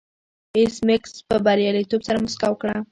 ایس میکس په بریالیتوب سره موسکا وکړه